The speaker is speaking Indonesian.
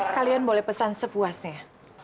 kalian boleh pesan sepuasnya